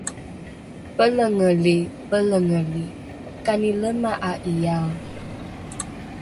Pelengeli, Pelengeli, kani lema'a'iyae?